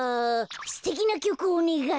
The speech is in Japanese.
すてきなきょくをおねがい。